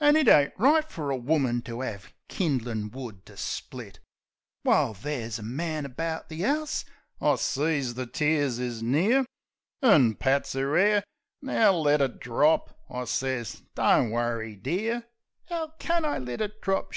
An' it ain't right fer a woman to 'ave kin'lin' wood to split; While there's a man about the 'ouse!" I sees the tears is near, An' pats 'er 'air. "Now, let it drop," I sez. "Don't worry, dear." " 'Ow can I let it drop?"